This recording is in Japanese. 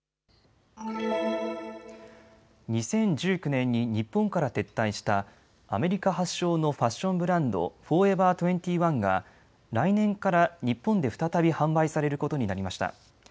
２０１９年に日本から撤退したアメリカ発祥のファッションブランド、フォーエバー２１が来年から日本で再び販売されることになりました。